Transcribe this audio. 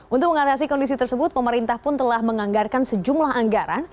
untuk mengatasi kondisi tersebut pemerintah pun telah menganggarkan sejumlah anggaran